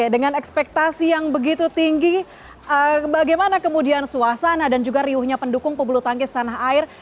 dengan ekspektasi yang begitu tinggi bagaimana kemudian suasana dan juga riuhnya pendukung pebulu tangkis tanah air